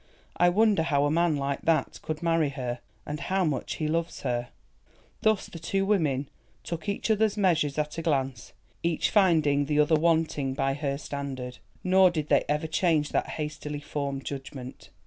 "I wonder how a man like that could marry her; and how much he loves her." Thus the two women took each other's measure at a glance, each finding the other wanting by her standard. Nor did they ever change that hastily formed judgment.